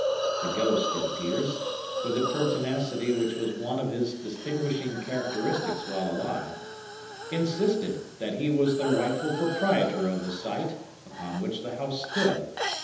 The ghost, it appears,—with the pertinacity which was one of his distinguishing characteristics while alive,—insisted that he was the rightful proprietor of the site upon which the house stood.